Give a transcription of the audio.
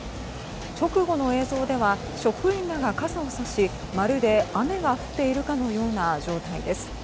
直後の映像では職員らが傘をさしまるで雨が降っているかのような状態です。